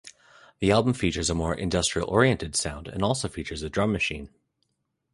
The album features a more industrial-oriented sound and also features a drum machine.